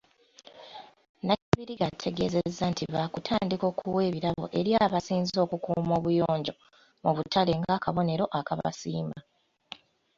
Nakibirige ategeezezza nti baakutandika okuwa ebirabo eri abasinze okukuuma obuyonjo mu butale ng'akabonero akabasiima.